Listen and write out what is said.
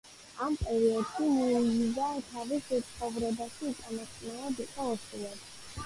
ამ პერიოდში, ლუიზა თავის ცხოვრებაში უკანასკნელად იყო ორსულად.